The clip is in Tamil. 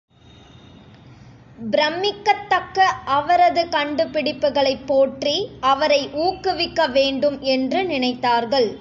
பிரமிக்கத்தக்க அவரது கண்டுபிடிப்புகளைப் போற்றி, அவரை ஊக்குவிக்க வேண்டும் என்று நினைத்தார்கள்.